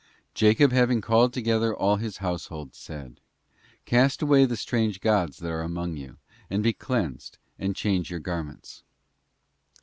'Jacob having called together all his household, said, Cast away the strange gods that are among you, and be cleansed and change your garments.